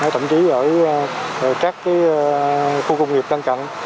thậm chí ở các khu công nghiệp đan cạnh